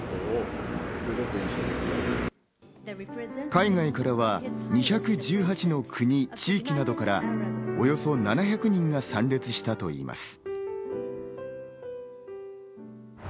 海外からは２１８の国・地域などからおよそ７００人が参列したといいます。